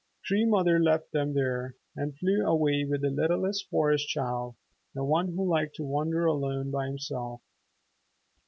Tree Mother left them there and flew away with the littlest Forest Child, the one who liked to wander alone by himself.